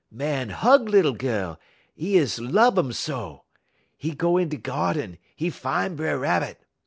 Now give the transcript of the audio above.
Màn hug lil gal, 'e is lub um so. 'E go in da geerden; 'e fine B'er Rabbit.